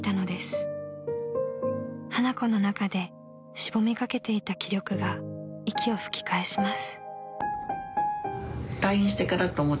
［花子の中でしぼみかけていた気力が息を吹き返します］